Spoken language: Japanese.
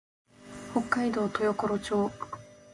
北海道豊頃町